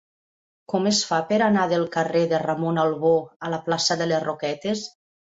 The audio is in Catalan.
Com es fa per anar del carrer de Ramon Albó a la plaça de les Roquetes?